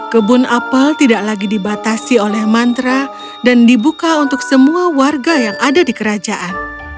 kebun apel tidak lagi dibatasi oleh mantra dan dibuka untuk semua warga yang ada di kerajaan